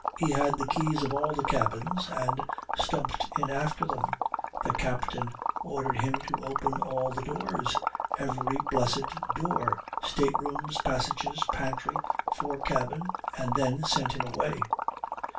He had the keys of all the cabins, and stumped in after them. The captain ordered him to open all the doors, every blessed door; state rooms, passages, pantry, fore cabin and then sent him away.